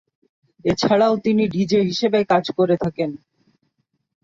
এছাড়াও তিনি ডিজে হিসেবেও কাজ করে থাকেন।